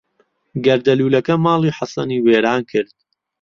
گەردەلوولەکە ماڵی حەسەنی وێران کرد.